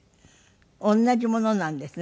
同じものなんですね。